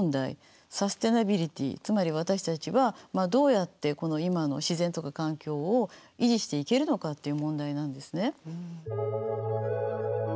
つまり私たちはどうやってこの今の自然とか環境を維持していけるのかっていう問題なんですね。